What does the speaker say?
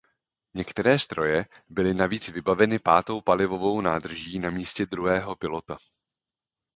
Některé stroje byly navíc vybaveny pátou palivovou nádrží na místě druhého pilota.